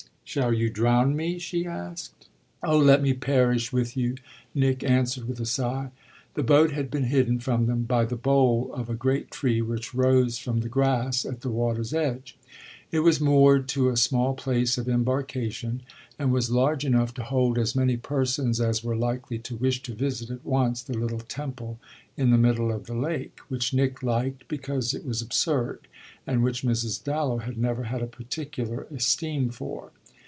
"Shall you drown me?" she asked. "Oh let me perish with you!" Nick answered with a sigh. The boat had been hidden from them by the bole of a great tree which rose from the grass at the water's edge. It was moored to a small place of embarkation and was large enough to hold as many persons as were likely to wish to visit at once the little temple in the middle of the lake, which Nick liked because it was absurd and which Mrs. Dallow had never had a particular esteem for.